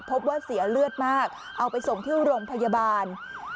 พบว่าเสียเลือดมากเอาไปส่งที่โรงพยาบาล